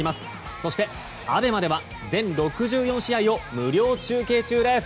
そしてＡＢＥＭＡでは全６４試合を無料中継中です。